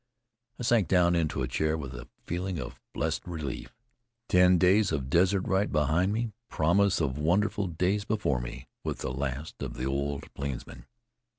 I sank down into a chair with a feeling of blessed relief. Ten days of desert ride behind me! Promise of wonderful days before me, with the last of the old plainsmen.